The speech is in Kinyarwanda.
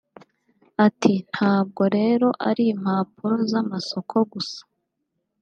Ati “Ntabwo rero ari impapuro z’amasoko gusa